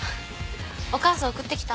お母さん送ってきた？